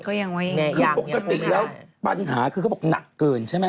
ก็ยังว่ายังไงคือปกติแล้วปัญหาคือเขาบอกหนักเกินใช่ไหม